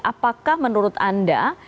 apakah menurut anda